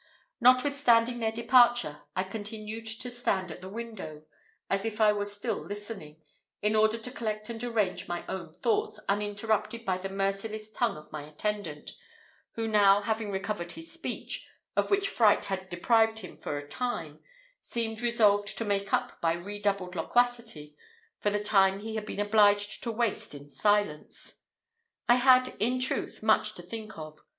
Notwithstanding their departure, I continued to stand at the window, as if I were still listening, in order to collect and arrange my own thoughts, uninterrupted by the merciless tongue of my attendant, who now having recovered his speech, of which fright had deprived him for a time, seemed resolved to make up by redoubled loquacity for the time he had been obliged to waste in silence. I had, in truth, much to think of.